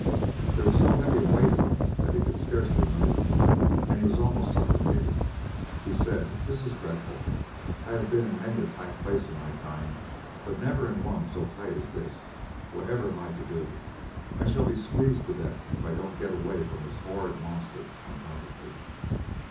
There was so heavy a weight on him that he could scarcely move, and he was almost suffocated. He said: "This is dreadful; I have been in many a tight place in my time, but never in one so tight as this. Whatever am I to do? I shall be squeezed to death if I don't get away from this horrid monster on top of me."